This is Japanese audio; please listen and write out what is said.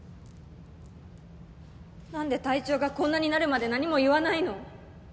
なんで体調がこんなになるまで何も言わないの！？